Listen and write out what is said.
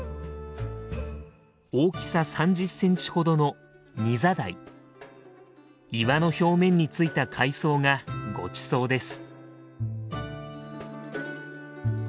大きさ３０センチほどの岩の表面についた海藻がごちそうです。